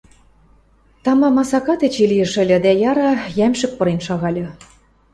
Тама масакат эче лиэш ыльы, дӓ, яра, йӓмшӹк пырен шагальы.